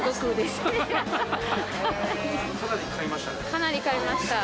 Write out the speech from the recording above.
かなり買いました。